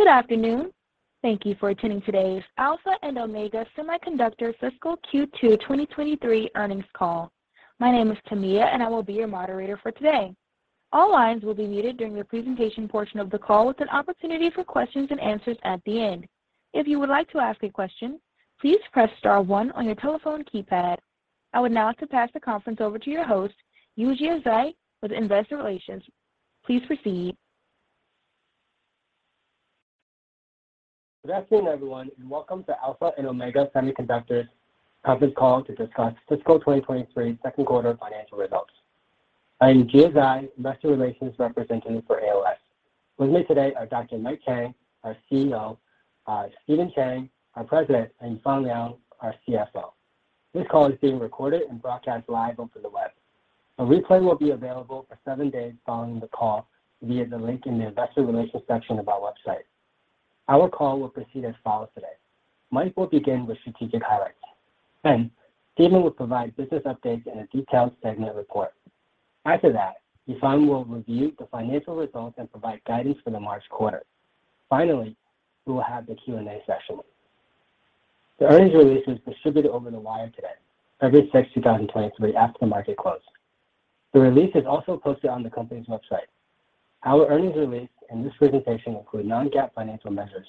Good afternoon. Thank you for attending today's Alpha and Omega Semiconductor Fiscal Q2 2023 earnings call. My name is Tamia. I will be your moderator for today. All lines will be muted during the presentation portion of the call with an opportunity for questions and answers at the end. If you would like to ask a question, please press star one on your telephone keypad. I would now like to pass the conference over to your host, Yujia Zhai, with investor relations. Please proceed. Good afternoon, everyone, and welcome to Alpha and Omega Semiconductor's conference call to discuss fiscal 2023 second quarter financial results. I am Yujia Zhai, investor relations representative for AOS. With me today are Dr. Mike Chang, our CEO, Stephen Chang, our President, and Yifan Liang, our CFO. This call is being recorded and broadcast live over the web. A replay will be available for seven days following the call via the link in the Investor Relations section of our website. Our call will proceed as follows today. Mike will begin with strategic highlights. Stephen will provide business updates and a detailed segment report. Yifan will review the financial results and provide guidance for the March quarter. We will have the Q&A session. The earnings release was distributed over the wire today, February 6, 2023, after the market closed. The release is also posted on the company's website. Our earnings release and this presentation include non-GAAP financial measures.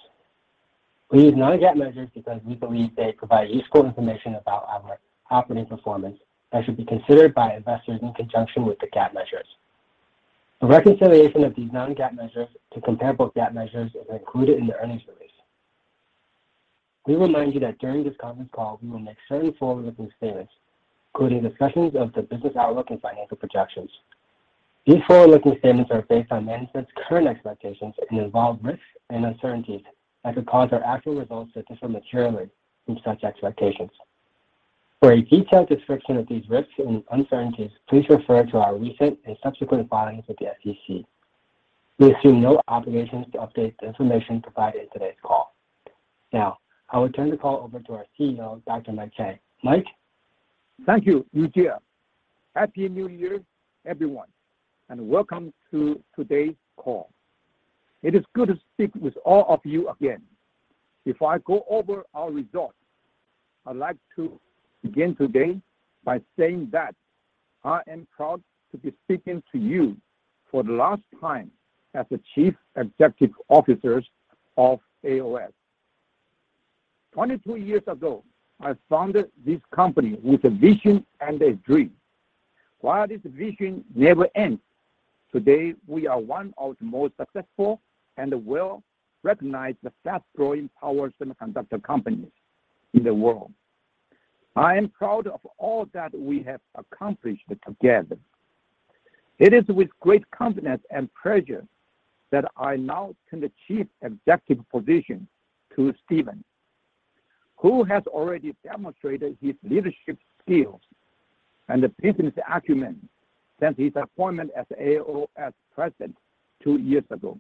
We use non-GAAP measures because we believe they provide useful information about our operating performance that should be considered by investors in conjunction with the GAAP measures. A reconciliation of these non-GAAP measures to comparable GAAP measures is included in the earnings release. We remind you that during this conference call, we will make certain forward-looking statements, including discussions of the business outlook and financial projections. These forward-looking statements are based on management's current expectations and involve risks and uncertainties that could cause our actual results to differ materially from such expectations. For a detailed description of these risks and uncertainties, please refer to our recent and subsequent filings with the SEC. We assume no obligation to update the information provided in today's call. Now, I will turn the call over to our CEO, Dr. Mike Chang. Mike? Thank you, Yujia. Happy New Year, everyone, welcome to today's call. It is good to speak with all of you again. Before I go over our results, I'd like to begin today by saying that I am proud to be speaking to you for the last time as the Chief Executive Officer of AOS. 22 years ago, I founded this company with a vision and a dream. While this vision never ends, today we are one of the most successful and well-recognized, the fast-growing power semiconductor companies in the world. I am proud of all that we have accomplished together. It is with great confidence and pleasure that I now turn the Chief Executive position to Stephen, who has already demonstrated his leadership skills and business acumen since his appointment as AOS President two years ago,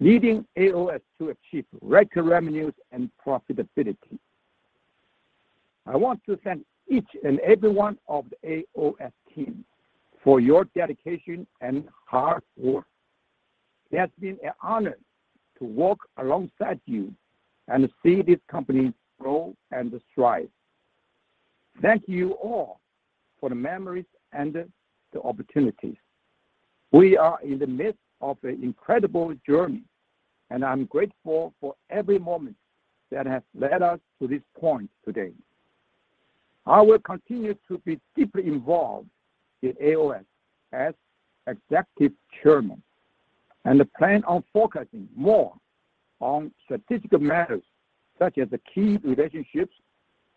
leading AOS to achieve record revenues and profitability. I want to thank each and every one of the AOS team for your dedication and hard work. It has been an honor to work alongside you and see this company grow and thrive. Thank you all for the memories and the opportunities. We are in the midst of an incredible journey, and I'm grateful for every moment that has led us to this point today. I will continue to be deeply involved in AOS as Executive Chairman and plan on focusing more on strategic matters such as the key relationships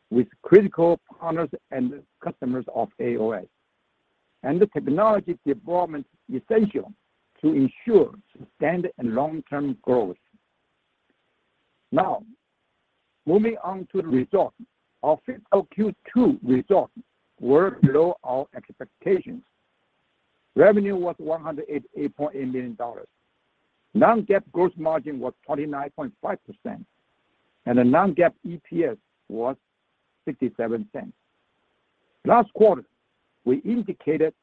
with critical partners and customers of AOS and the technology development essential to ensure sustained and long-term growth. Moving on to the results. Our fiscal Q2 results were below our expectations. Revenue was $108.8 million. Non-GAAP gross margin was 29.5%, and the non-GAAP EPS was $0.67. Last quarter, we indicated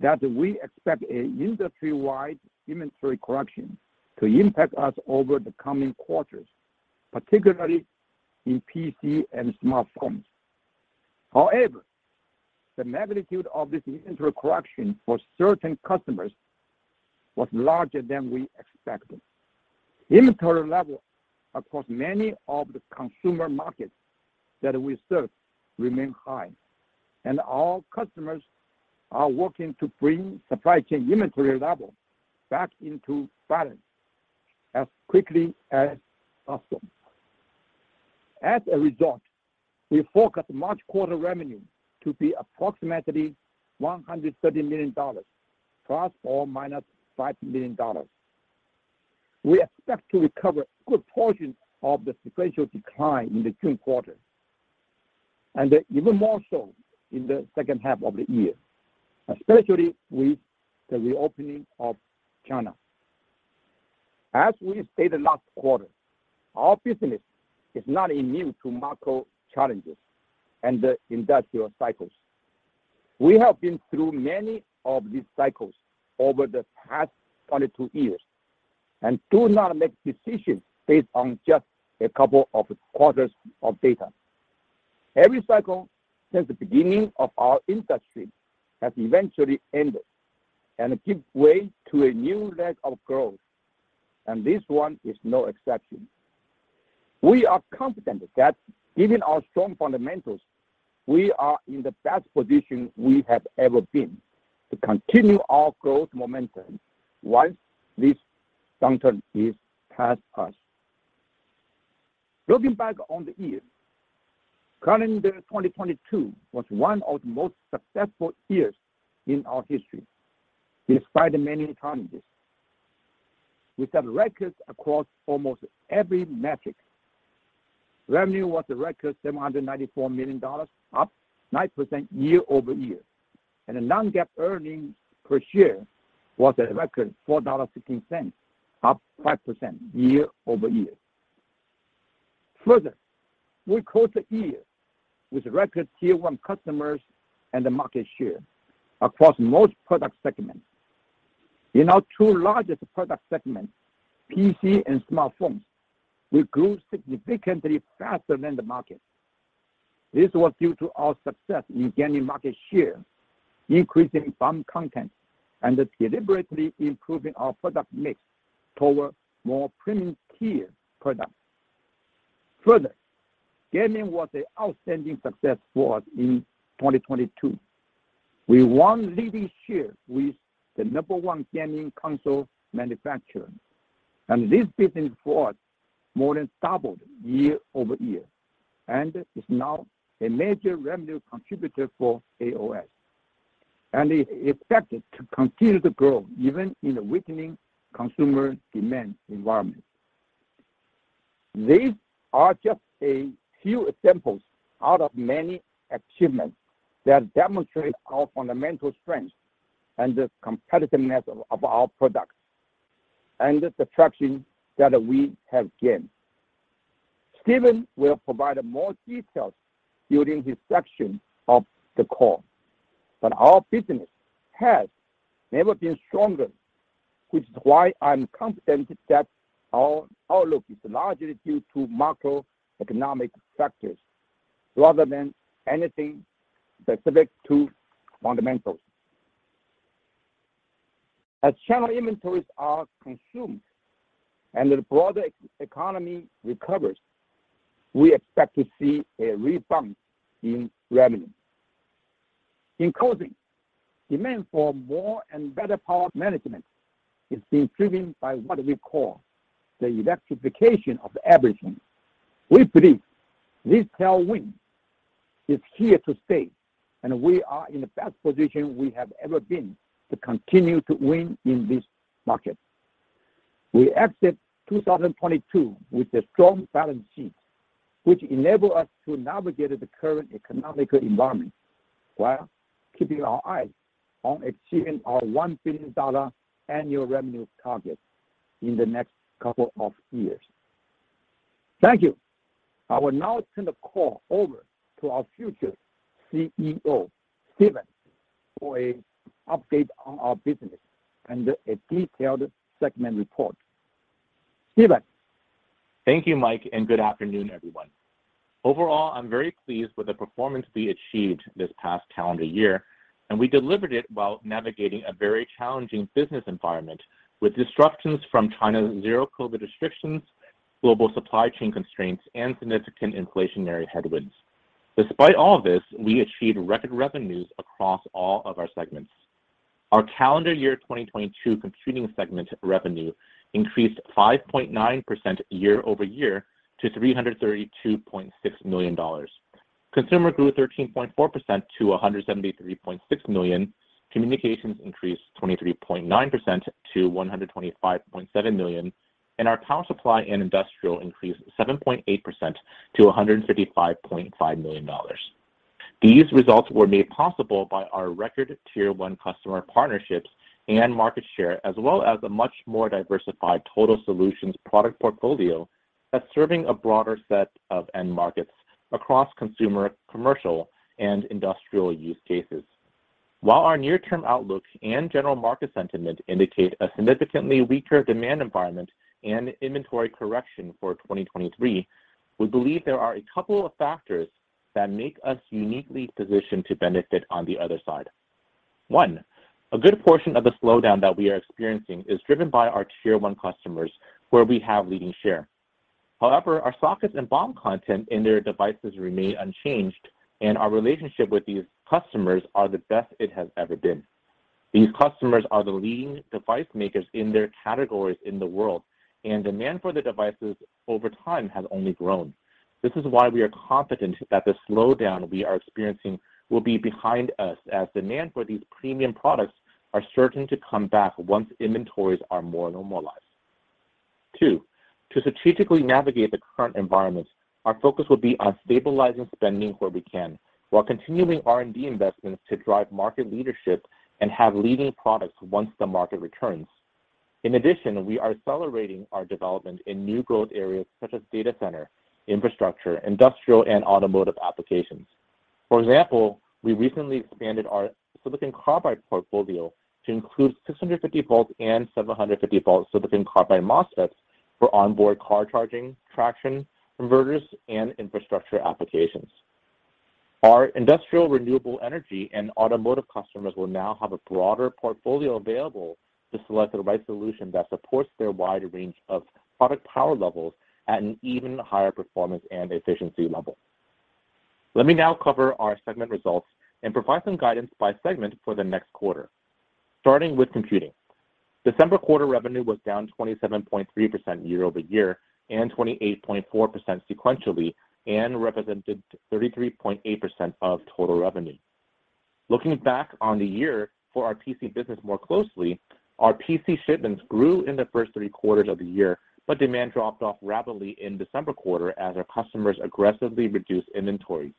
that we expect an industry-wide inventory correction to impact us over the coming quarters, particularly in PC and smartphones. The magnitude of this inventory correction for certain customers was larger than we expected. Inventory levels across many of the consumer markets that we serve remain high, and our customers are working to bring supply chain inventory levels back into balance as quickly as possible. We forecast March quarter revenue to be approximately $130 million, ±$5 million. We expect to recover a good portion of the sequential decline in the June quarter, and even more so in the second half of the year, especially with the reopening of China. As we stated last quarter, our business is not immune to macro challenges and the industrial cycles. We have been through many of these cycles over the past 22 years and do not make decisions based on just a couple of quarters of data. Every cycle since the beginning of our industry has eventually ended and give way to a new leg of growth, and this one is no exception. We are confident that given our strong fundamentals, we are in the best position we have ever been to continue our growth momentum once this downturn is past us. Looking back on the year, calendar 2022 was one of the most successful years in our history, despite the many challenges. We set records across almost every metric. Revenue was a record $794 million, up 9% year-over-year, and the non-GAAP earnings per share was a record $4.15, up 5% year-over-year. We closed the year with record tier one customers and the market share across most product segments. In our two largest product segments, PC and smartphone, we grew significantly faster than the market. This was due to our success in gaining market share, increasing BOM content, and deliberately improving our product mix toward more premium tier products. Gaming was a outstanding success for us in 2022. We won leading share with the number one gaming console manufacturer, and this business for us more than doubled year-over-year and is now a major revenue contributor for AOS, and is expected to continue to grow even in a weakening consumer demand environment. These are just a few examples out of many achievements that demonstrate our fundamental strength and the competitiveness of our products and the traction that we have gained. Stephen will provide more details during his section of the call. Our business has never been stronger, which is why I'm confident that our outlook is largely due to macroeconomic factors rather than anything specific to fundamentals. As channel inventories are consumed and the broader economy recovers, we expect to see a rebound in revenue. In closing, demand for more and better power management is being driven by what we call the electrification of everything. We believe this tailwind is here to stay. We are in the best position we have ever been to continue to win in this market. We exit 2022 with a strong balance sheet, which enable us to navigate the current economical environment while keeping our eyes on achieving our $1 billion annual revenue target in the next couple of years. Thank you. I will now turn the call over to our future CEO, Stephen, for a update on our business and a detailed segment report. Stephen. Thank you, Mike, and good afternoon, everyone. Overall, I'm very pleased with the performance we achieved this past calendar year, and we delivered it while navigating a very challenging business environment with disruptions from China's zero COVID restrictions, global supply chain constraints, and significant inflationary headwinds. Despite all of this, we achieved record revenues across all of our segments. Our calendar year 2022 computing segment revenue increased 5.9% year-over-year to $332.6 million. Consumer grew 13.4% to $173.6 million. Communications increased 23.9% to $125.7 million. Our power supply and industrial increased 7.8% to $155.5 million. These results were made possible by our record Tier One customer partnerships and market share, as well as a much more diversified total solutions product portfolio that's serving a broader set of end markets across consumer, commercial, and industrial use cases. While our near-term outlook and general market sentiment indicate a significantly weaker demand environment and inventory correction for 2023, we believe there are a couple of factors that make us uniquely positioned to benefit on the other side. One, a good portion of the slowdown that we are experiencing is driven by our Tier One customers where we have leading share. However, our sockets and BOM content in their devices remain unchanged, and our relationship with these customers are the best it has ever been. These customers are the leading device makers in their categories in the world, and demand for the devices over time has only grown. This is why we are confident that the slowdown we are experiencing will be behind us as demand for these premium products are certain to come back once inventories are more normalized. Two, to strategically navigate the current environment, our focus will be on stabilizing spending where we can while continuing R&D investments to drive market leadership and have leading products once the market returns. In addition, we are accelerating our development in new growth areas such as data center, infrastructure, industrial, and automotive applications. For example, we recently expanded our silicon carbide portfolio to include 650 volt and 750 volt silicon carbide MOSFETs for onboard car charging, traction inverters, and infrastructure applications. Our industrial renewable energy and automotive customers will now have a broader portfolio available to select the right solution that supports their wide range of product power levels at an even higher performance and efficiency level. Let me now cover our segment results and provide some guidance by segment for the next quarter. Starting with computing. December quarter revenue was down 27.3% year-over-year and 28.4% sequentially and represented 33.8% of total revenue. Looking back on the year for our PC business more closely, our PC shipments grew in the first three quarters of the year, but demand dropped off rapidly in December quarter as our customers aggressively reduced inventories.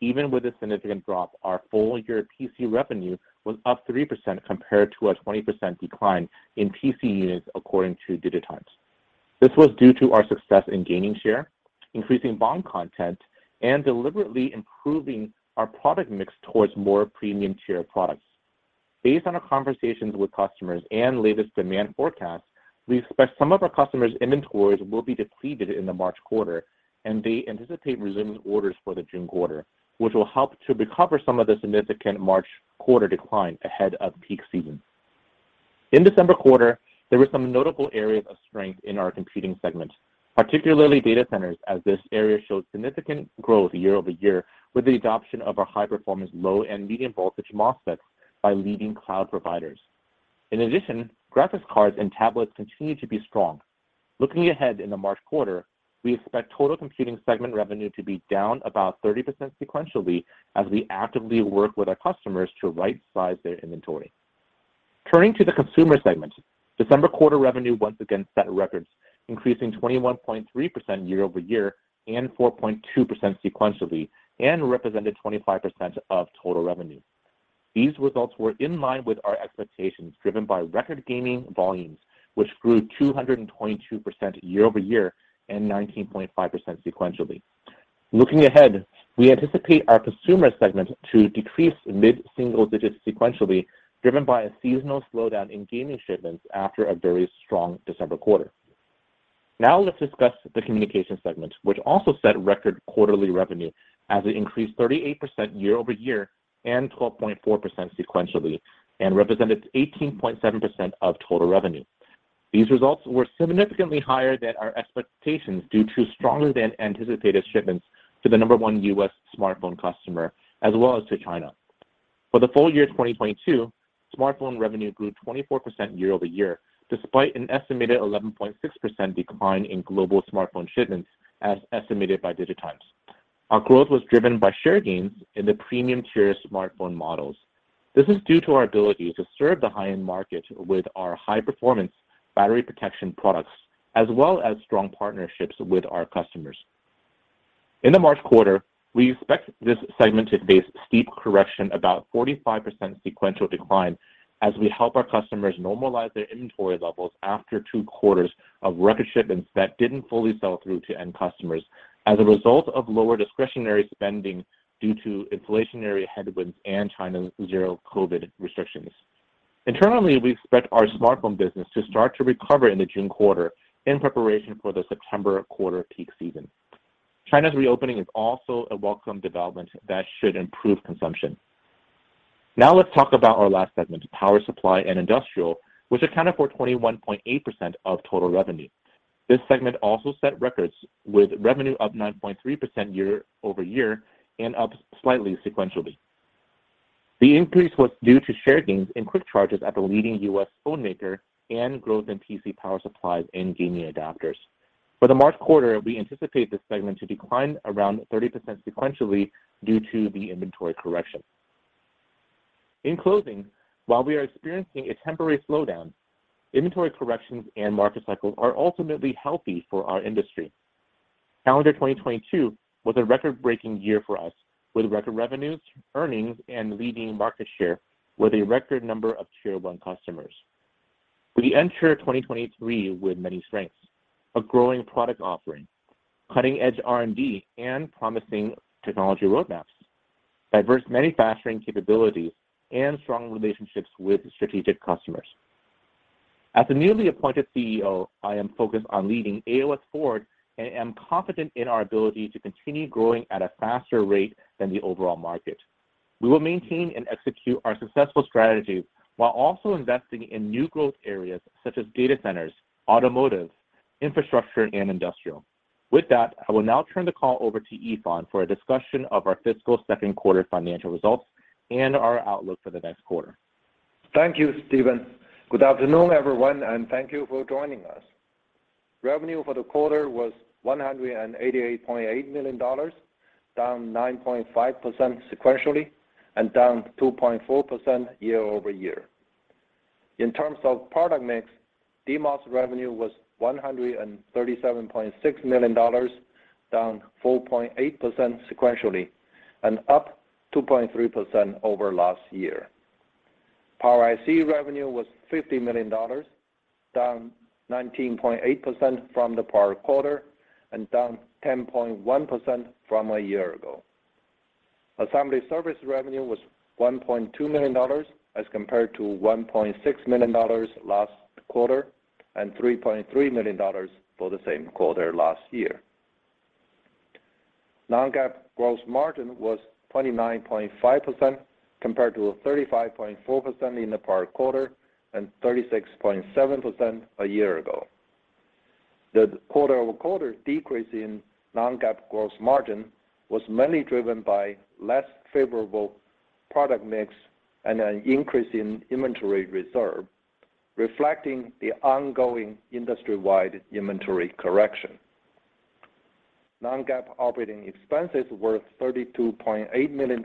Even with a significant drop, our full year PC revenue was up 3% compared to a 20% decline in PC units according to DIGITIMES. This was due to our success in gaining share, increasing BOM content, and deliberately improving our product mix towards more premium tier products. Based on our conversations with customers and latest demand forecast, we expect some of our customers' inventories will be depleted in the March quarter, and they anticipate resuming orders for the June quarter, which will help to recover some of the significant March quarter decline ahead of peak season. December quarter, there were some notable areas of strength in our computing segment, particularly data centers, as this area showed significant growth year-over-year with the adoption of our high-performance low and medium voltage MOSFETs by leading cloud providers. Graphics cards and tablets continue to be strong. Looking ahead in the March quarter, we expect total computing segment revenue to be down about 30% sequentially as we actively work with our customers to right-size their inventory. Turning to the consumer segment, December quarter revenue once again set records, increasing 21.3% year-over-year and 4.2% sequentially and represented 25% of total revenue. These results were in line with our expectations, driven by record gaming volumes, which grew 222% year-over-year and 19.5% sequentially. Looking ahead, we anticipate our consumer segment to decrease mid-single digits sequentially, driven by a seasonal slowdown in gaming shipments after a very strong December quarter. Now let's discuss the communication segment, which also set record quarterly revenue as it increased 38% year-over-year and 12.4% sequentially and represented 18.7% of total revenue. These results were significantly higher than our expectations due to stronger than anticipated shipments to the number one U.S. smartphone customer, as well as to China. For the full year 2022, smartphone revenue grew 24% year-over-year, despite an estimated 11.6% decline in global smartphone shipments as estimated by DIGITIMES. Our growth was driven by share gains in the premium tier smartphone models. This is due to our ability to serve the high-end market with our high-performance battery protection products, as well as strong partnerships with our customers. In the March quarter, we expect this segment to face steep correction, about 45% sequential decline as we help our customers normalize their inventory levels after two quarters of record shipments that didn't fully sell through to end customers as a result of lower discretionary spending due to inflationary headwinds and China's zero COVID restrictions. Internally, we expect our smartphone business to start to recover in the June quarter in preparation for the September quarter peak season. China's reopening is also a welcome development that should improve consumption. Let's talk about our last segment, power supply and industrial, which accounted for 21.8% of total revenue. This segment also set records with revenue up 9.3% year-over-year and up slightly sequentially. The increase was due to share gains in quick chargers at the leading U.S. phone maker and growth in PC power supplies and gaming adapters. For the March quarter, we anticipate this segment to decline around 30% sequentially due to the inventory correction. In closing, while we are experiencing a temporary slowdown, inventory corrections and market cycles are ultimately healthy for our industry. Calendar 2022 was a record-breaking year for us with record revenues, earnings, and leading market share with a record number of tier one customers. We enter 2023 with many strengths, a growing product offering, cutting-edge R&D and promising technology roadmaps, diverse manufacturing capabilities, and strong relationships with strategic customers. As a newly appointed CEO, I am focused on leading AOS forward and am confident in our ability to continue growing at a faster rate than the overall market. We will maintain and execute our successful strategy while also investing in new growth areas such as data centers, automotive, infrastructure, and industrial. With that, I will now turn the call over to Yifan for a discussion of our fiscal second quarter financial results and our outlook for the next quarter. Thank you, Stephen. Good afternoon, everyone, and thank you for joining us. Revenue for the quarter was $188.8 million, down 9.5% sequentially and down 2.4% year-over-year. In terms of product mix, DMOS revenue was $137.6 million. Down 4.8% sequentially and up 2.3% over last year. Power IC revenue was $50 million, down 19.8% from the prior quarter and down 10.1% from a year ago. Assembly service revenue was $1.2 million as compared to $1.6 million last quarter and $3.3 million for the same quarter last year. Non-GAAP gross margin was 29.5% compared to 35.4% in the prior quarter and 36.7% a year ago. The quarter-over-quarter decrease in non-GAAP gross margin was mainly driven by less favorable product mix and an increase in inventory reserve, reflecting the ongoing industry-wide inventory correction. Non-GAAP operating expenses were $32.8 million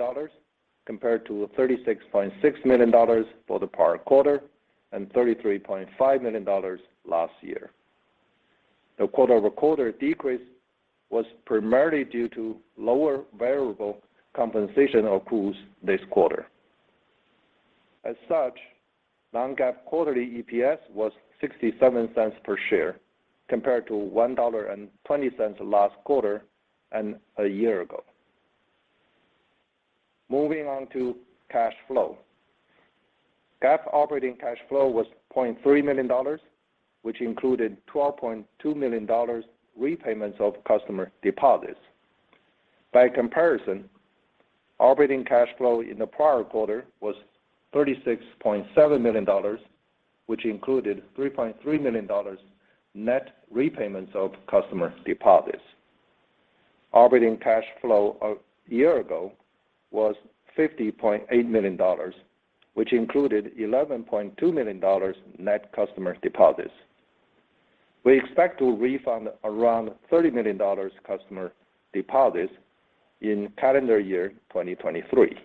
compared to $36.6 million for the prior quarter and $33.5 million last year. The quarter-over-quarter decrease was primarily due to lower variable compensation accrues this quarter. non-GAAP quarterly EPS was $0.67 per share compared to $1.20 last quarter and a year ago. Moving on to cash flow. GAAP operating cash flow was $0.3 million, which included $12.2 million repayments of customer deposits. By comparison, operating cash flow in the prior quarter was $36.7 million, which included $3.3 million net repayments of customer deposits. Operating cash flow a year ago was $50.8 million, which included $11.2 million net customer deposits. We expect to refund around $30 million customer deposits in calendar year 2023.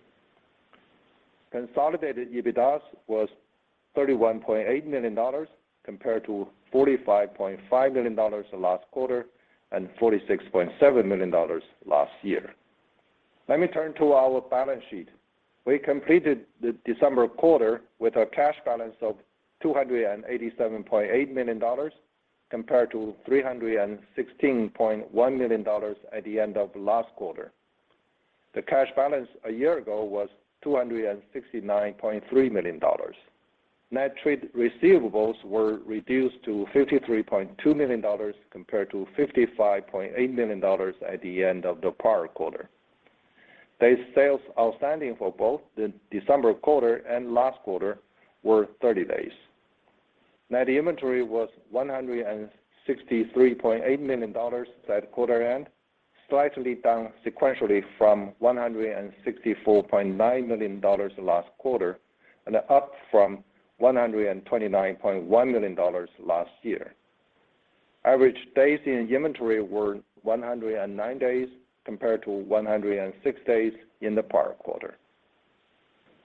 Consolidated EBITDA was $31.8 million compared to $45.5 million last quarter and $46.7 million last year. Let me turn to our balance sheet. We completed the December quarter with a cash balance of $287.8 million compared to $316.1 million at the end of last quarter. The cash balance a year ago was $269.3 million. Net trade receivables were reduced to $53.2 million compared to $55.8 million at the end of the prior quarter. Day sales outstanding for both the December quarter and last quarter were 30 days. Net inventory was $163.8 million at quarter end, slightly down sequentially from $164.9 million last quarter and up from $129.1 million last year. Average days in inventory were 109 days compared to 106 days in the prior quarter.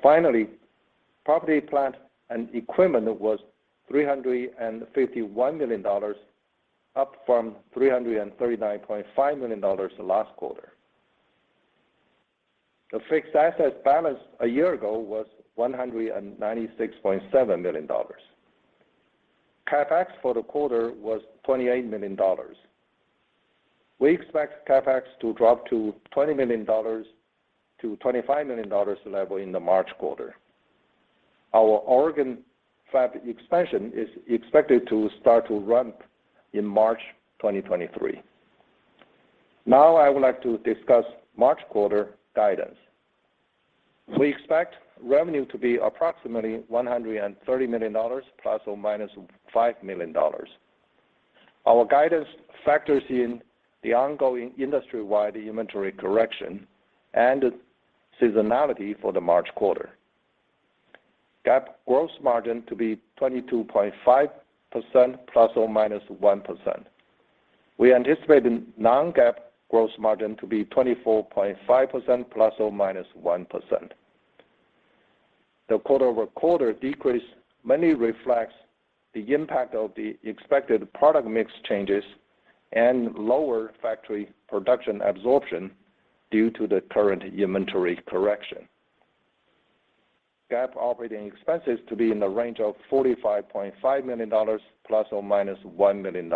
Finally, property, plant, and equipment was $351 million, up from $339.5 million last quarter. The fixed assets balance a year ago was $196.7 million. CapEx for the quarter was $28 million. We expect CapEx to drop to $20 million-$25 million level in the March quarter. Our Oregon fab expansion is expected to start to ramp in March 2023. I would like to discuss March quarter guidance. We expect revenue to be approximately $130 million ±$5 million. Our guidance factors in the ongoing industry-wide inventory correction and seasonality for the March quarter. GAAP gross margin to be 22.5% ±1%. We anticipate the non-GAAP gross margin to be 24.5% ±1%. The quarter-over-quarter decrease mainly reflects the impact of the expected product mix changes and lower factory production absorption due to the current inventory correction. GAAP operating expenses to be in the range of $45.5 million ±$1 million.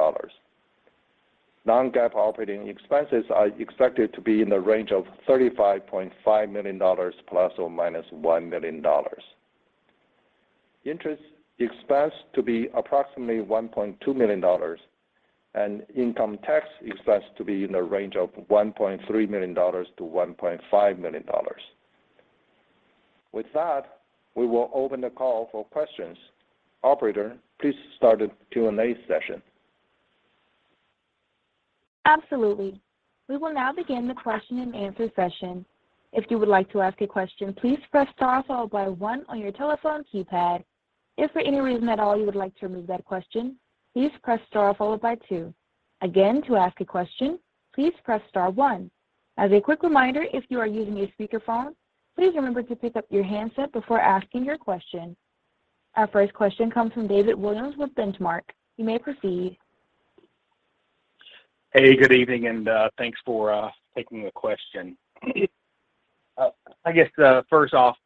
Non-GAAP operating expenses are expected to be in the range of $35.5 million ±$1 million. Interest expense to be approximately $1.2 million and income tax expense to be in the range of $1.3 million-$1.5 million. With that, we will open the call for questions. Operator, please start the Q&A session. Absolutely. We will now begin the question and answer session. If you would like to ask a question, please press star followed by one on your telephone keypad. If for any reason at all you would like to remove that question, please press star followed by two. Again, to ask a question, please press star one. As a quick reminder, if you are using a speakerphone, please remember to pick up your handset before asking your question. Our first question comes from David Williams with Benchmark. You may proceed. Hey, good evening, thanks for taking the question. I guess first off,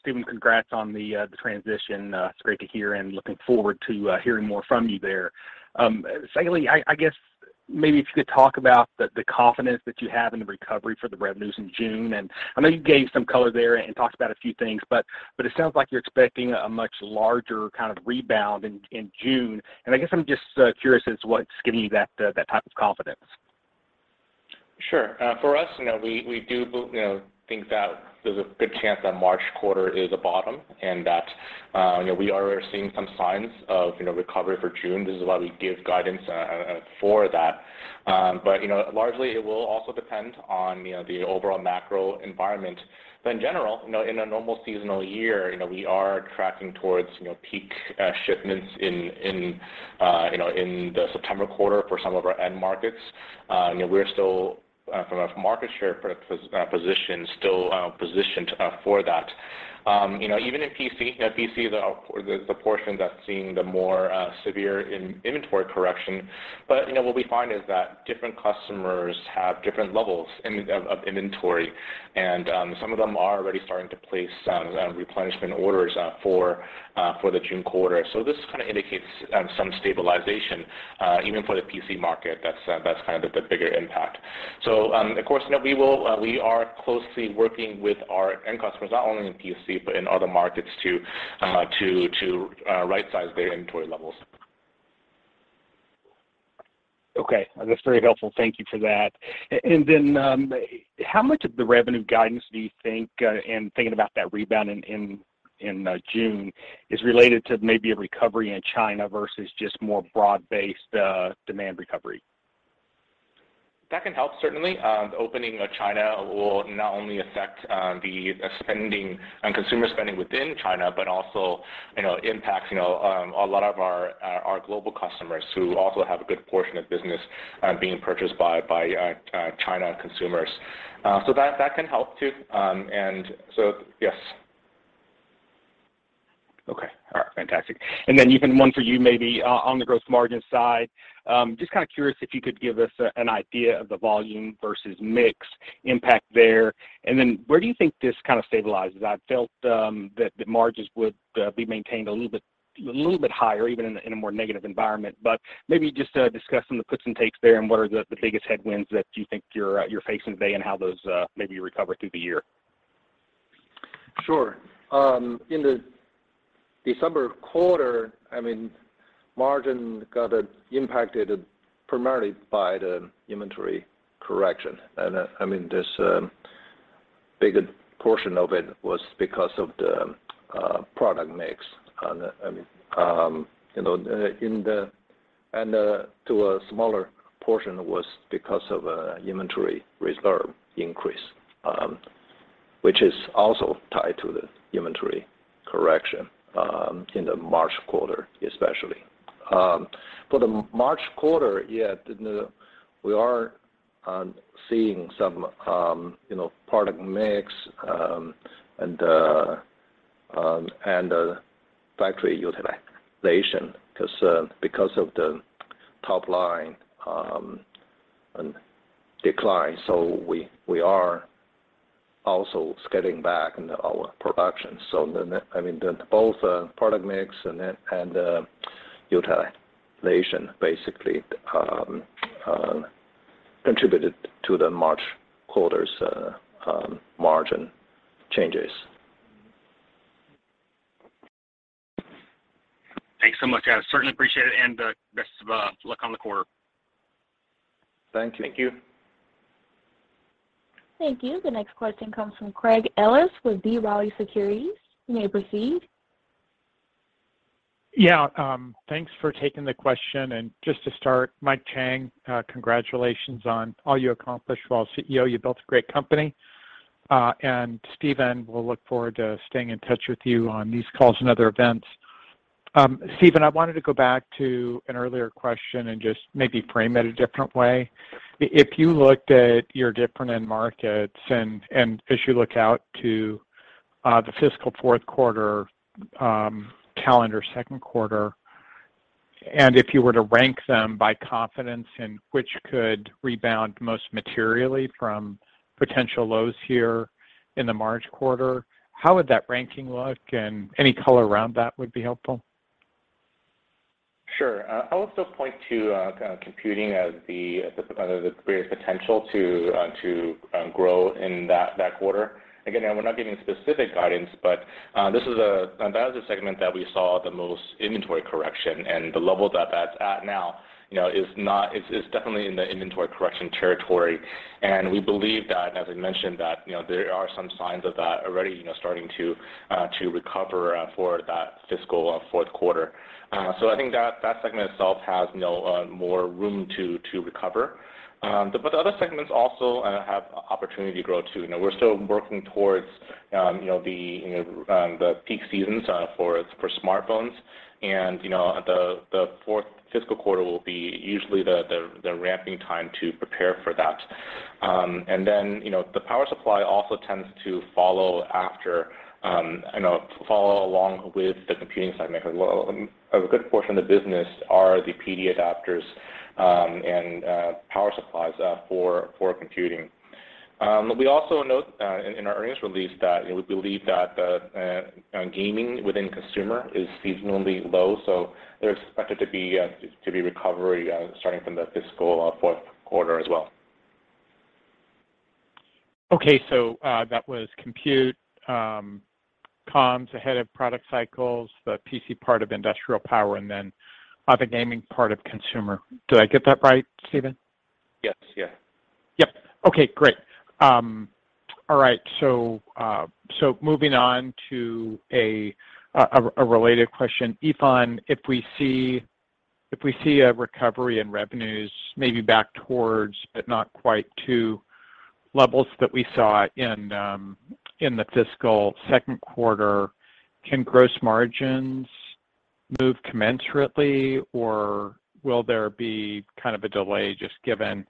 Stephen, congrats on the transition. It's great to hear and looking forward to hearing more from you there. Secondly, I guess maybe if you could talk about the confidence that you have in the recovery for the revenues in June, I know you gave some color there and talked about a few things, but it sounds like you're expecting a much larger kind of rebound in June. I guess I'm just curious as to what's giving you that type of confidence? Sure. For us, you know, we do you know, think that there's a good chance that March quarter is a bottom, and that, you know, we are seeing some signs of, you know, recovery for June. This is why we give guidance for that. You know, largely, it will also depend on, you know, the overall macro environment. In general, you know, in a normal seasonal year, you know, we are tracking towards, you know, peak shipments in, you know, in the September quarter for some of our end markets. You know, we're still, from a market share position, still positioned for that. you know, even in PC, you know, PC, the portion that's seeing the more severe inventory correction, but, you know, what we find is that different customers have different levels of inventory. Some of them are already starting to place replenishment orders for the June quarter. This kind of indicates some stabilization even for the PC market, that's kind of the bigger impact. Of course, you know, we are closely working with our end customers, not only in PC, but in other markets to right-size their inventory levels. Okay. That's very helpful. Thank you for that. Then, how much of the revenue guidance do you think in thinking about that rebound in June, is related to maybe a recovery in China versus just more broad-based demand recovery? That can help certainly. Opening of China will not only affect the spending and consumer spending within China, but also, you know, impacts, you know, a lot of our global customers who also have a good portion of business being purchased by China consumers. That can help too. Yes. Okay. All right. Fantastic. Even one for you maybe on the gross margin side. Just kind of curious if you could give us an idea of the volume versus mix impact there. Where do you think this kind of stabilizes? I felt that the margins would be maintained a little bit higher, even in a, in a more negative environment. Maybe just discuss some of the puts and takes there, and what are the biggest headwinds that you think you're facing today, and how those maybe recover through the year. Sure. In the December quarter, I mean, margin got impacted primarily by the inventory correction. I mean, this bigger portion of it was because of the product mix. I mean, you know, to a smaller portion was because of inventory reserve increase, which is also tied to the inventory correction in the March quarter, especially. For the March quarter, yeah, the we are seeing some, you know, product mix, and factory utilization concern because of the top line decline. We are also scaling back in our production. I mean, the both product mix and utilization basically contributed to the March quarter's margin changes. Thanks so much. I certainly appreciate it, and, best of, luck on the quarter. Thank you. Thank you. Thank you. The next question comes from Craig Ellis with B. Riley Securities. You may proceed. Yeah. Thanks for taking the question. Just to start, Mike Chang, congratulations on all you accomplished while CEO. You built a great company. Steven, we'll look forward to staying in touch with you on these calls and other events. Steven, I wanted to go back to an earlier question and just maybe frame it a different way. If you looked at your different end markets and as you look out to the fiscal fourth quarter, calendar second quarter, and if you were to rank them by confidence in which could rebound most materially from potential lows here in the March quarter, how would that ranking look? Any color around that would be helpful. Sure. I would still point to, kind of computing as the kind of the greatest potential to grow in that quarter. Again, we're not giving specific guidance, but, this is, that is a segment that we saw the most inventory correction, and the level that that's at now, you know, is definitely in the inventory correction territory. We believe that, as I mentioned, that, you know, there are some signs of that already, you know, starting to recover, for that fiscal fourth quarter. I think that segment itself has, you know, more room to recover. The other segments also have opportunity to grow, too. You know, we're still working towards, you know, the peak seasons for smartphones. You know, the fourth fiscal quarter will be usually the ramping time to prepare for that. You know, the power supply also tends to follow after, you know, follow along with the computing segment as well. A good portion of the business are the PD adapters, and power supplies for computing. We also note in our earnings release that we believe that the gaming within consumer is seasonally low, so they're expected to be to be recovery starting from the fiscal fourth quarter as well. Okay. That was compute, comms ahead of product cycles, the PC part of industrial power, and then other gaming part of consumer. Did I get that right, Stephen? Yes. Yeah. Yep. Okay, great. All right. Moving on to a related question. Yifan, if we see a recovery in revenues maybe back towards, but not quite to levels that we saw in the fiscal second quarter, can gross margins move commensurately, or will there be kind of a delay just given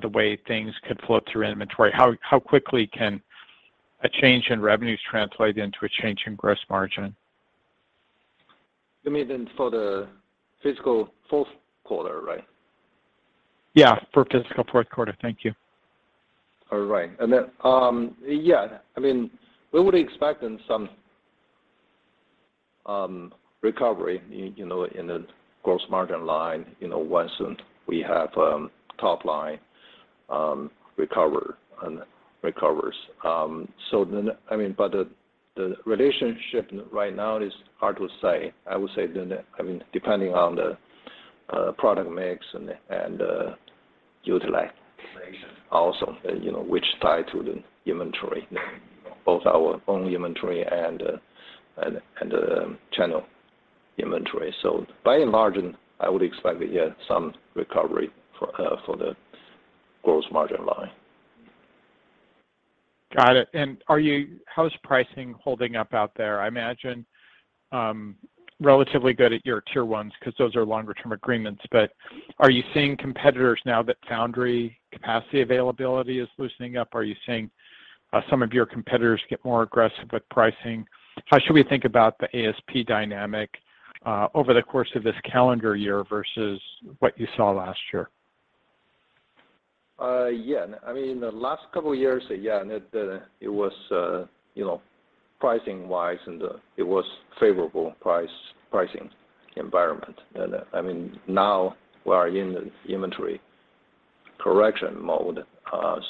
the way things could flow through inventory? How quickly can a change in revenues translate into a change in gross margin? You mean then for the fiscal fourth quarter, right? Yeah, for fiscal fourth quarter. Thank you. All right. Yeah, I mean, we would expect in some recovery, you know, in the gross margin line, you know, once we have top line recovers. I mean, but the relationship right now is hard to say. I would say then, I mean, depending on the product mix and utilization also, you know, which tie to the inventory, both our own inventory and channel inventory. By and large, and I would expect, yeah, some recovery for the gross margin line. Got it. How is pricing holding up out there? I imagine, relatively good at your tier ones because those are longer term agreements. Are you seeing competitors now that foundry capacity availability is loosening up, are you seeing some of your competitors get more aggressive with pricing? How should we think about the ASP dynamic over the course of this calendar year versus what you saw last year? Yeah. I mean, the last couple of years, yeah, it was, you know, pricing-wise, and it was favorable pricing environment. I mean, now we are in the inventory correction mode,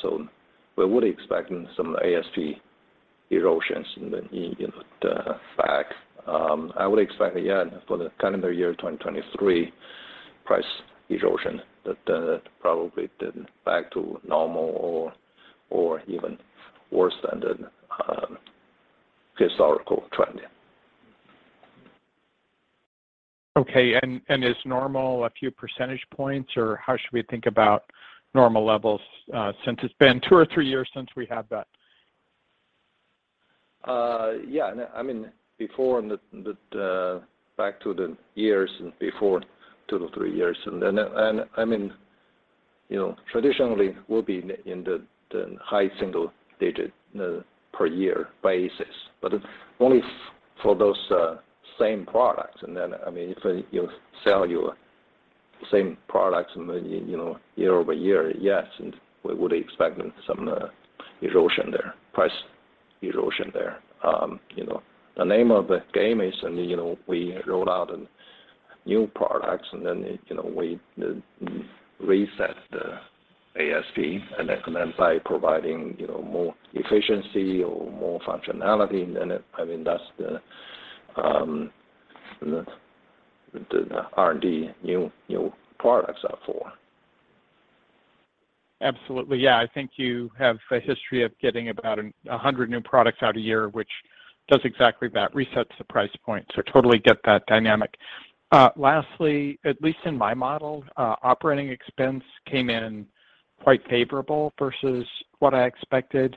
so we would expect some ASP erosions in the fact. I would expect, yeah, for the calendar year 2023, price erosion that probably then back to normal or even worse than the historical trend. Okay. Is normal a few percentage points, or how should we think about normal levels, since it's been two or three years since we had that? Yeah. I mean, before back to the years before two to three years. I mean, you know, traditionally we'll be in the high single-digit per year basis, but only for those same products. I mean, if you sell your same products and then, you know, year over year, yes, we would expect some erosion there, price erosion there. You know, the name of the game is, you know, we roll out new products and then, you know, we reset the ASP and then by providing, you know, more efficiency or more functionality. I mean, that's the R&D new products are for. Absolutely. I think you have a history of getting about 100 new products out a year, which does exactly that, resets the price point. Totally get that dynamic. Lastly, at least in my model, operating expense came in quite favorable versus what I expected.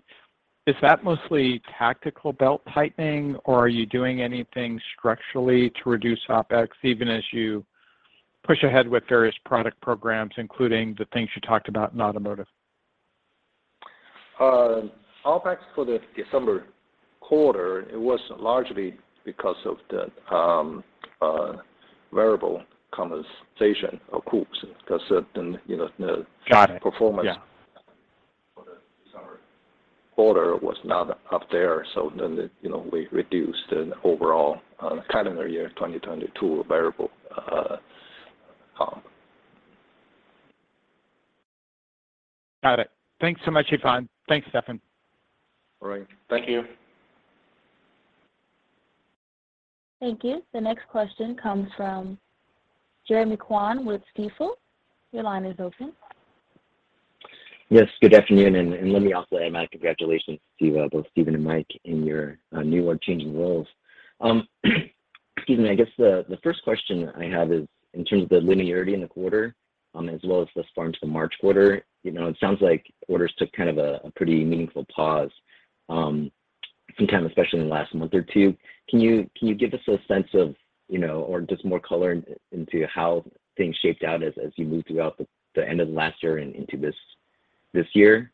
Is that mostly tactical belt-tightening, or are you doing anything structurally to reduce OpEx, even as you push ahead with various product programs, including the things you talked about in automotive? OpEx for the December quarter, it was largely because of the variable compensation or costs because, you know. Got it. Yeah. Performance for the December quarter was not up there. you know, we reduced the overall, calendar year 2022 variable, comp. Got it. Thanks so much, Yifan. Thanks, Stephen. All right. Thank you. Thank you. The next question comes from Jeremy Kwan with Stifel. Your line is open. Yes, good afternoon. Let me also add my congratulations to both Stephen and Mike in your new or changing roles. Excuse me. I guess the first question I have is in terms of the linearity in the quarter, as well as thus far into the March quarter. You know, it sounds like orders took kind of a pretty meaningful pause, especially in the last month or two, can you give us a sense of, you know, or just more color into how things shaped out as you moved throughout the end of last year and into this year?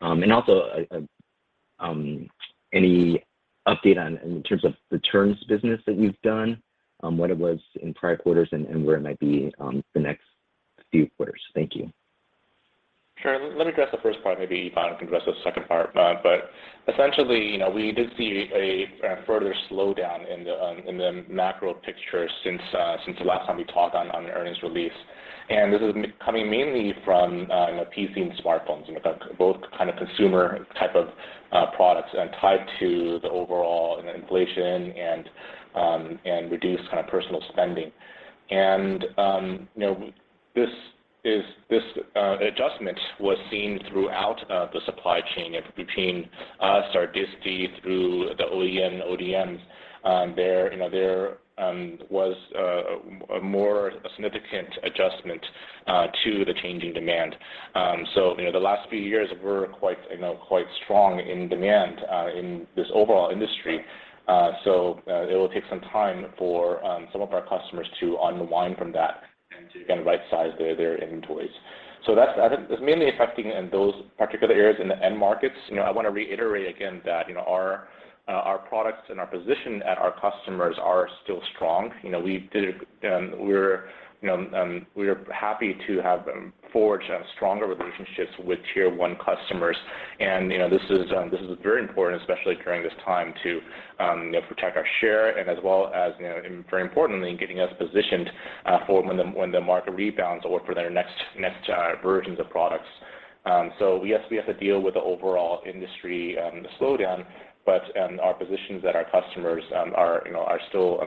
Also, any update on in terms of the turns business that you've done, what it was in prior quarters and where it might be the next few quarters? Thank you. Sure. Let me address the first part, maybe Yifan can address the second part. Essentially, you know, we did see a further slowdown in the macro picture since the last time we talked on the earnings release. This is coming mainly from, you know, PC and smartphones, you know, both kind of consumer type of products and tied to the overall inflation and reduced kind of personal spending. You know, this adjustment was seen throughout the supply chain between us or DiSTI through the OEM, ODMs. There, you know, there was a more significant adjustment to the changing demand. You know, the last few years were quite strong in demand in this overall industry. It will take some time for some of our customers to unwind from that and to rightsize their inventories. That's, I think, it's mainly affecting in those particular areas in the end markets. You know, I want to reiterate again that, you know, our products and our position at our customers are still strong. You know, we did, we're, you know, we are happy to have forged stronger relationships with tier one customers. You know, this is very important, especially during this time, to, you know, protect our share and as well as, you know, and very importantly, in getting us positioned for when the market rebounds or for their next versions of products. Yes, we have to deal with the overall industry slowdown, but our positions at our customers are, you know, still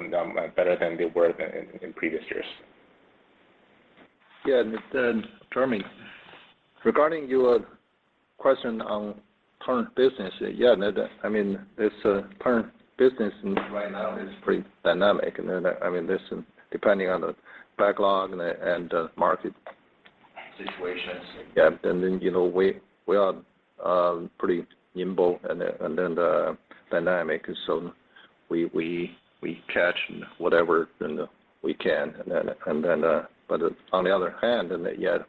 better than they were than in previous years. Jeremy, regarding your question on current business, no doubt. Current business right now is pretty dynamic. Depending on the backlog and the market situations. You know, we are pretty nimble and dynamic. We catch whatever then we can. On the other hand,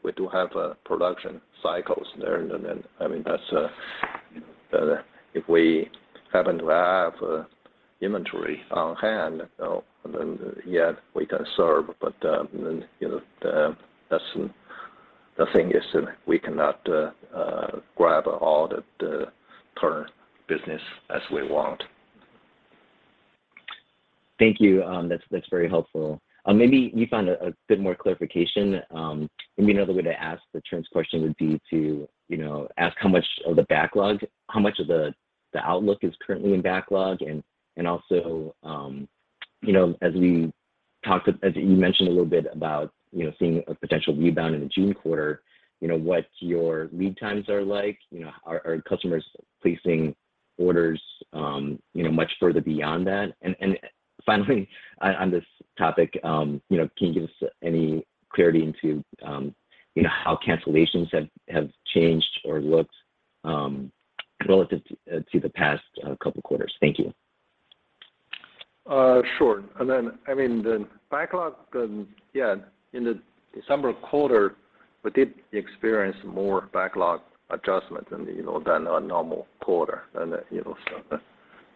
we do have production cycles there. If we happen to have inventory on hand, we can serve. You know, that's the thing is we cannot grab all the current business as we want. Thank you. That's very helpful. Maybe Yifan, a bit more clarification. Maybe another way to ask the turns question would be to, you know, ask how much of the backlog, how much of the outlook is currently in backlog. Also, you know, as you mentioned a little bit about, you know, seeing a potential rebound in the June quarter, you know, what your lead times are like. You know, are customers placing orders, you know, much further beyond that? Finally, on this topic, you know, can you give us any clarity into, you know, how cancellations have changed or looked relative to the past couple quarters? Thank you. Sure. I mean, the backlog, yeah, in the December quarter, we did experience more backlog adjustment than, you know, than a normal quarter. You know, so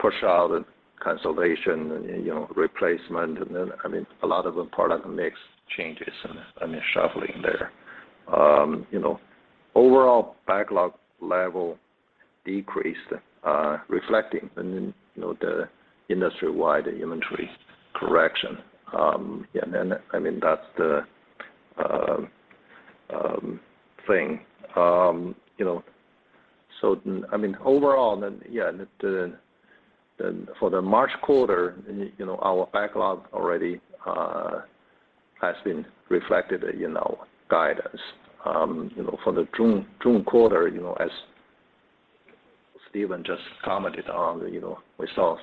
push out and cancellation and, you know, replacement and then, I mean, a lot of the product mix changes and, I mean, shuffling there. You know, overall backlog level decreased, reflecting and then, you know, the industry-wide inventory correction. Yeah, and then, I mean, that's the thing. You know, so, I mean, overall, then, yeah, the, for the March quarter, you know, our backlog already has been reflected in our guidance. You know, for the June quarter, you know, as Stephen just commented on, you know, we saw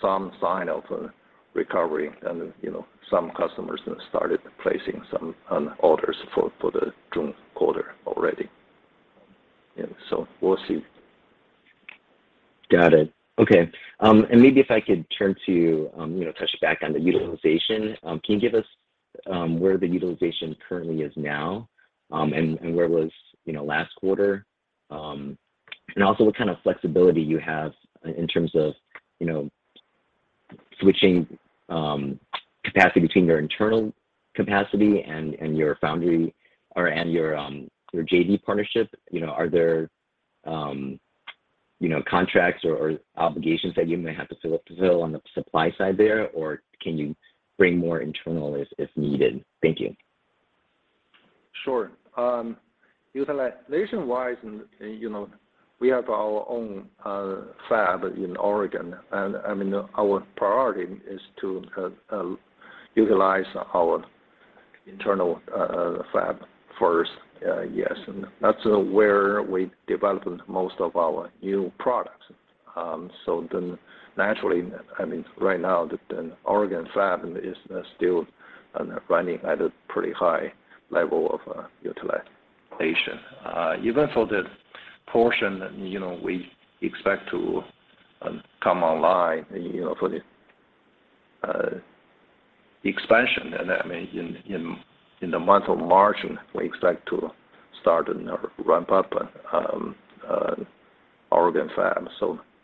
some sign of a recovery and, you know, some customers started placing some orders for the June quarter already. Yeah. We'll see. Got it. Okay. Maybe if I could turn to, you know, touch back on the utilization. Can you give us where the utilization currently is now, and where it was, you know, last quarter? Also what kind of flexibility you have in terms of, you know, switching, capacity between your internal capacity and your foundry or, and your JD partnership. Are there, you know, contracts or obligations that you may have to fill on the supply side there, or can you bring more internal if needed? Thank you. Sure. utilization-wise, you know, we have our own fab in Oregon, and I mean, our priority is to utilize our internal fab first. Yes, that's where we develop most of our new products. Naturally, I mean, right now the Oregon fab is still running at a pretty high level of utilization. Patient. Even for the portion that, you know, we expect to come online, you know, for the expansion. I mean, in the month of March, and we expect to start another ramp-up, Oregon fab.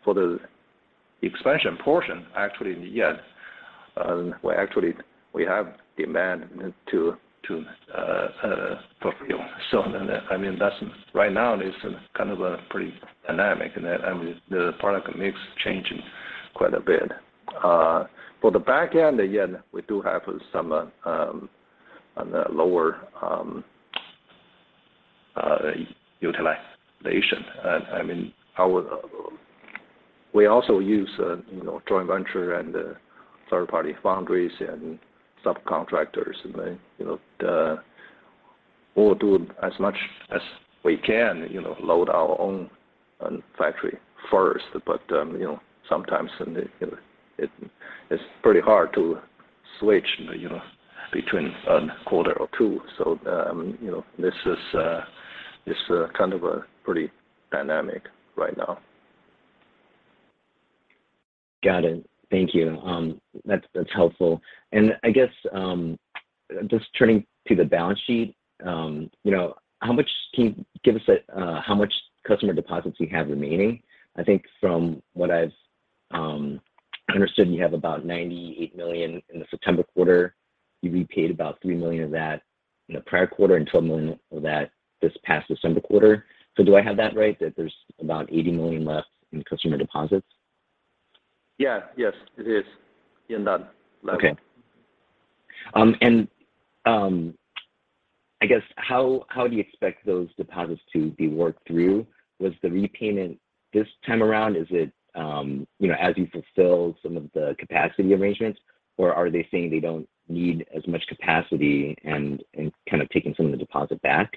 For the expansion portion, actually in the end, we actually have demand to fulfill. I mean, that's right now it's kind of pretty dynamic, I mean, the product mix changing quite a bit. For the back end, again, we do have some lower utilization. I mean, We also use, you know, joint venture and third-party foundries and subcontractors. You know, We'll do as much as we can, you know, load our own factory first. You know, sometimes in the, you know, it's pretty hard to switch, you know, between a quarter or two. You know, this is this is kind of pretty dynamic right now. Got it. Thank you. That's helpful. I guess, just turning to the balance sheet, you know, how much can you give us, how much customer deposits you have remaining? I think from what I've understood, you have about $98 million in the September quarter. You repaid about $3 million of that in the prior quarter and $12 million of that this past December quarter. Do I have that right, that there's about $80 million left in customer deposits? Yeah. Yes, it is in that level. Okay. I guess how do you expect those deposits to be worked through? Was the repayment this time around, is it, you know, as you fulfill some of the capacity arrangements, or are they saying they don't need as much capacity and kind of taking some of the deposit back?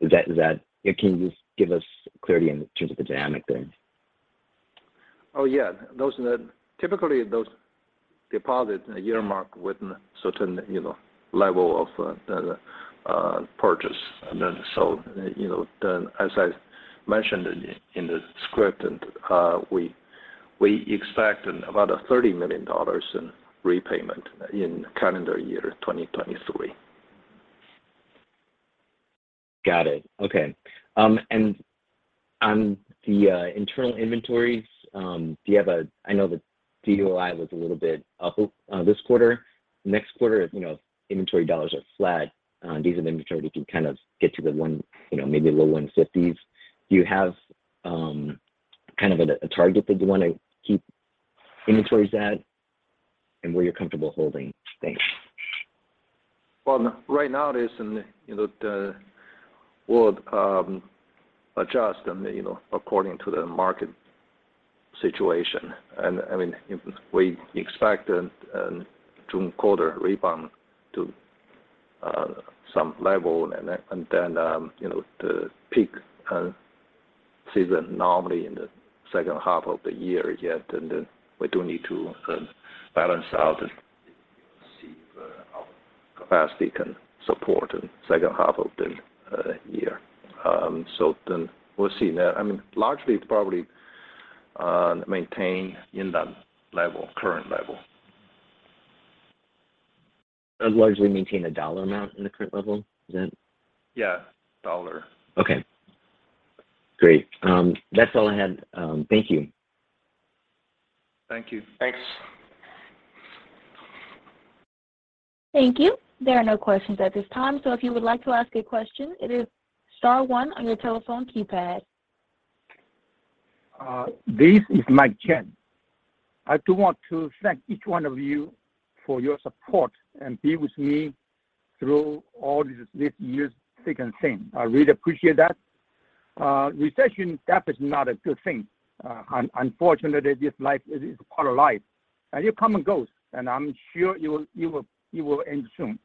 Is that... Can you just give us clarity in terms of the dynamic there? Oh yeah. Typically those deposits are earmarked with certain, you know, level of purchase. You know, then as I mentioned in the script and we expect about $30 million in repayment in calendar year 2023. Got it. Okay. On the internal inventories, I know the DOI was a little bit up this quarter. Next quarter, if, you know, inventory dollars are flat, these are the inventory we can kind of get to the one, you know, maybe low 150s. Do you have kind of a target that you wanna keep inventories at and where you're comfortable holding? Thanks. Well, right now it is in, you know, We'll adjust and, you know, according to the market situation. If we expect an June quarter rebound to some level, then, you know, the peak season normally in the second half of the year, yet we do need to balance out to see our capacity can support second half of the year. We'll see. Largely it's probably maintain in that level, current level. Largely maintain the dollar amount in the current level, is that-? Yeah, dollar. Okay. Great. That's all I had. Thank you. Thank you. Thanks. Thank you. There are no questions at this time. If you would like to ask a question, it is star one on your telephone keypad. This is Mike Chang. I do want to thank each one of you for your support and be with me through all this year's thick and thin. I really appreciate that. Unfortunately, this is life. It is part of life, and it come and goes, and I'm sure it will end soon.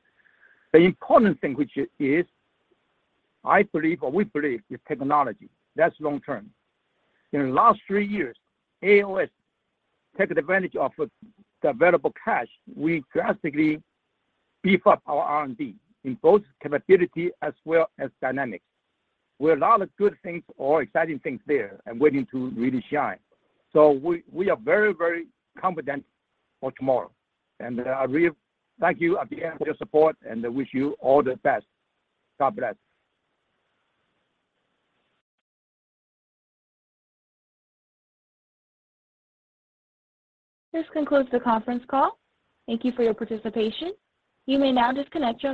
The important thing which is I believe or we believe is technology. That's long-term. In the last three years, AOS took advantage of the available cash. We drastically beefed up our R&D in both capability as well as dynamic. We have a lot of good things or exciting things there and waiting to really shine. We are very confident for tomorrow. I really thank you again for your support, and I wish you all the best. God bless. This concludes the conference call. Thank you for your participation. You may now disconnect your line.